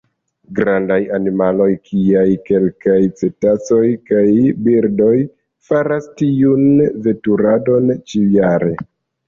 Grandaj animaloj kiaj kelkaj cetacoj kaj birdoj faras tiun veturadon ĉiujare.